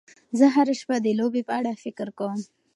زه هره شپه د لوبې په اړه فکر کوم.